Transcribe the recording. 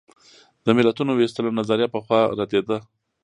د ملتونو وېستلو نظریه پخوا ردېده.